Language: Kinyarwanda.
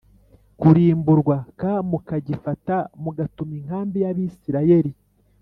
kurimburwa k mukagifata mugatuma inkambi y Abisirayeli